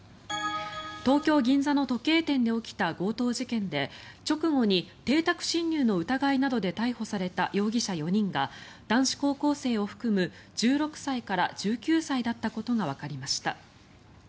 東京・銀座の時計店で起きた強盗事件で直後に邸宅侵入の疑いなどで逮捕された容疑者４人が男子高校生を含む１６歳から１９歳だったことがわかりました。